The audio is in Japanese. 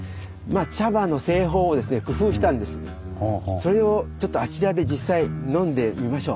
それをちょっとあちらで実際飲んでみましょう。